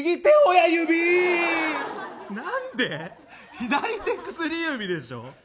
左手薬指でしょ？